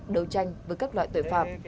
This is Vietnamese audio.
đấu tranh với các loại tội phạm